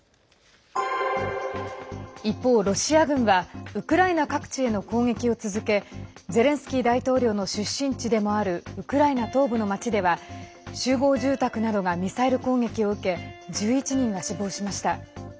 一方、ロシア軍はウクライナ各地への攻撃を続けゼレンスキー大統領の出身地でもあるウクライナ東部の町では集合住宅などがミサイル攻撃を受け１１人が死亡しました。